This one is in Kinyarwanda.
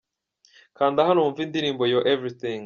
Kanda hano wumve indirimbo Your Everything.